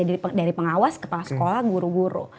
dari pengawas ke pas sekolah guru guru